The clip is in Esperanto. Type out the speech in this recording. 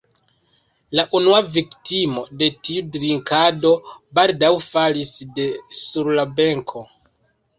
La unua viktimo de tiu drinkado baldaŭ falis de sur la benko.